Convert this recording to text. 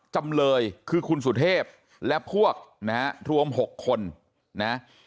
จำเลยคือคุณสุเทพและพวกนะฮะรวม๖คนนะ